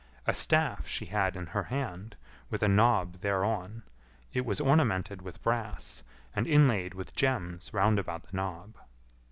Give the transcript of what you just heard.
A staff she had in her hand, with a knob thereon; it was ornamented with brass, and inlaid with gems round about the knob.